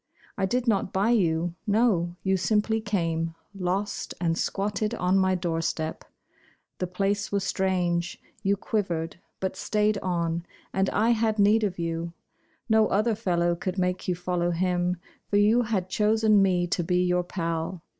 I did not buy you; no, you simply came, Lost, and squatted on my doorstep. The place was strange you quivered, but stayed on, And I had need of you. No other fellow could make you follow him, For you had chosen me to be your pal.